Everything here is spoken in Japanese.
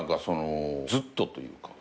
ずっとというか。